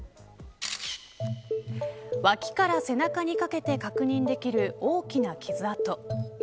脇から背中にかけて確認できる大きな傷跡。